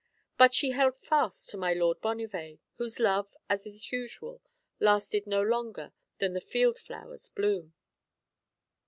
But she held fast to my lord Bonnivet, whose love, as is usual, lasted no longer than the field flowers bloom.